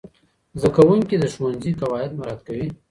زدهکوونکي د ښوونځي قواعد مراعت کوي.